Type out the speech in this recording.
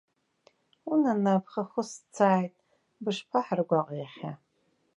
Унана, бхахәыс сцааит, бышԥаҳаргәаҟи иахьа!